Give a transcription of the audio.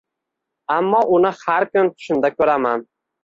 Ammo uni har kun tushimda ko’raman.